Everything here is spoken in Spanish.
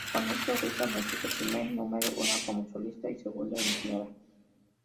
Con esto, Rita anotó su primer número uno como solista y segundo en general.